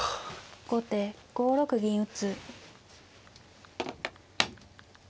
後手５六銀打。